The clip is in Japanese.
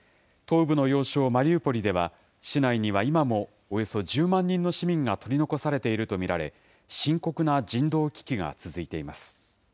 東部の要衝マリウポリでは、市内には今もおよそ１０万人の市民が取り残されていると見られ、深刻な人道危機が続いています。